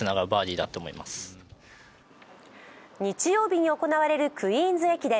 日曜日に行われるクイーンズ駅伝。